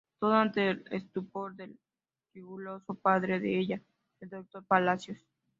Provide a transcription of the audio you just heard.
Todo ante el estupor del riguroso padre de ella, el Doctor Palacios.